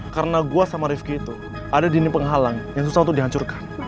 karena gue sama rifqi itu ada dinding penghalang yang susah untuk dihancurkan